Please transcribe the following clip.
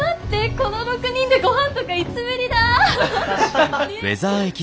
この６人でごはんとかいつぶりだ？